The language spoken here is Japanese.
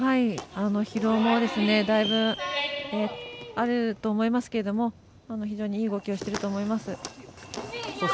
疲労もだいぶあると思いますが非常にいい動きをしていると思います。